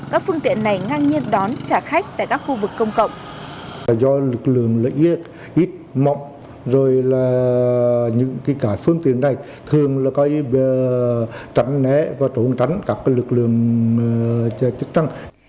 các phương tiện này ngang nhiên đón trả khách tại các khu vực công cộng